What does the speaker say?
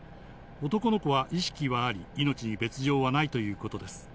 男の子は意識はあり、命に別状はないということです。